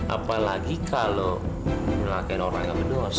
apalagi kalau melakain orang yang berdosa